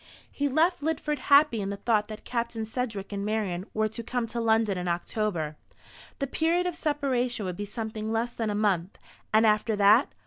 He left Lidford happy in the thought that Captain Sedgewick and Marian were to come to London in October. The period of separation would be something less than a month. And after that?